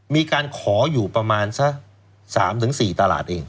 มีการขออยู่ประมาณสัก๓๔ตลาดเอง